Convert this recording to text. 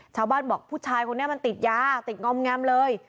ชาวบ้านบอกผู้ชายคนนี้มันติดยาติดงอมแงมเลย